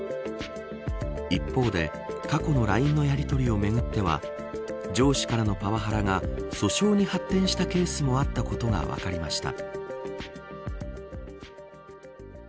一方で、過去のＬＩＮＥのやりとりをめぐっては上司からのパワハラが訴訟に発展したケースもあったことが分かりました。